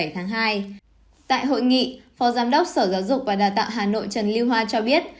tại hội nghị phó giám đốc sở giáo dục và đào tạo hà nội trần lưu hoa cho biết